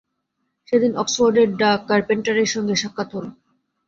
সেদিন অক্সফোর্ডের ডা কার্পেণ্টারের সঙ্গে সাক্ষাৎ হল।